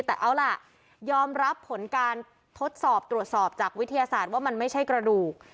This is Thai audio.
แต่เอาล่ะยอมรับผลการทดสอบตรวจสอบตรวจสอบจากวิทยาศาสตร์ว่ามันไม่ใช่กระดูก